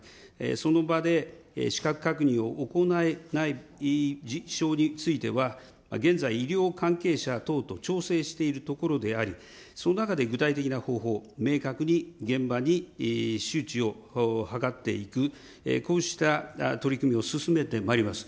その場でしかく確認を行えない、事象については、現在医療関係者等と調整しているところであり、その中で具体的な方法、明確に現場に、周知を図っていく、こうした取り組みを進めてまいります。